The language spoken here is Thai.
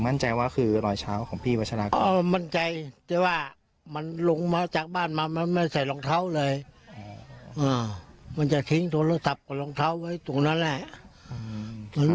มันจะทิ้งโทรศัพท์กับรองเท้าไว้ตรงนั้นแหละ